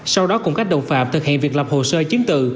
sau đó cùng các đồng phạm thực hiện việc lập hồ sơ chứng từ